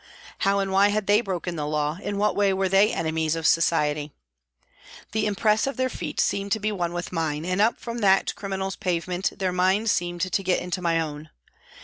How and why had they broken the law, in what way were they enemies of Society ? The impress of their feet seemed to be one with mine, and up from that criminals' pavement their mind seemed to get into my own.